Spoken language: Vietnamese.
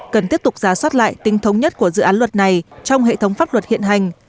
cần tiếp tục giá soát lại tinh thống nhất của dự án luật này trong hệ thống pháp luật hiện hành